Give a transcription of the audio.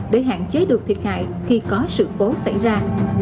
để hạn chế được thiệt hại khi có sự cố xảy ra